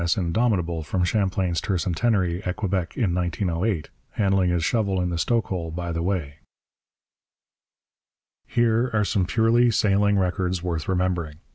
S. Indomitable from Champlain's tercentenary at Quebec in 1908, handling his shovel in the stokehole by the way. Here are some purely sailing records worth remembering.